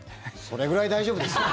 それぐらい大丈夫ですよ。